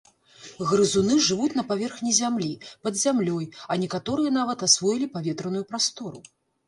Грызуны жывуць на паверхні зямлі, пад зямлёй, а некаторыя нават асвоілі паветраную прастору.